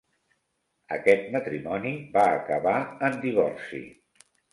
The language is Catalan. Aquest matrimoni va acabar en divorci.